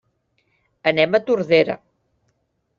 Anem a Tordera.